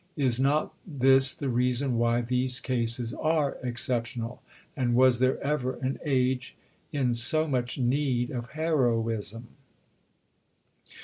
Is not this the reason why these cases are exceptional? And was there ever an age in so much need of heroism?